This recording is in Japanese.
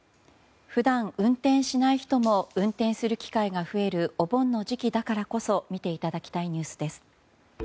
普段、運転しない人も運転する機会が増えるお盆の時期だからこそ見ていただきたいニュースです。